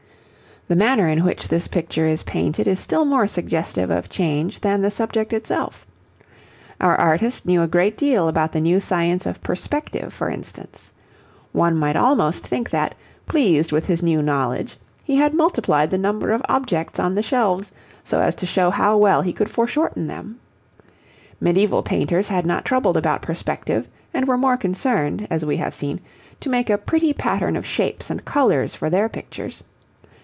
The manner in which this picture is painted is still more suggestive of change than the subject itself. Our artist knew a great deal about the new science of perspective, for instance. One might almost think that, pleased with his new knowledge, he had multiplied the number of objects on the shelves so as to show how well he could foreshorten them. Medieval painters had not troubled about perspective, and were more concerned, as we have seen, to make a pretty pattern of shapes and colours for their pictures.